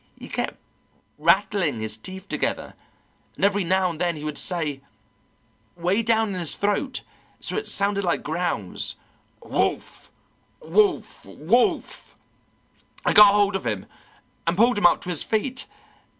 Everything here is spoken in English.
He kept rattling his teeth together, and every now and then he would say, way down in his throat so it sounded like growls, 'Wolf wolf wolf.' I got hold of him and pulled him up to his feet.